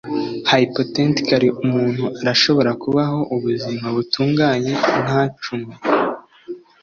hypothetically umuntu arashobora kubaho ubuzima butunganye ntacumuye